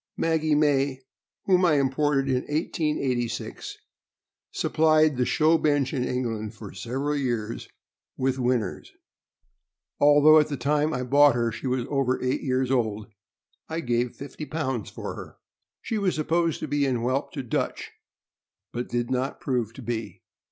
Maggie May, whom I imported in 1886, supplied the show bench in England for several years with winners. THE BULL TEERIER. 427 Although at the time I bought her she was over eight years old, I gave fifty pounds for her. She was supposed to be in whelp to Dutch, but did not prove to be.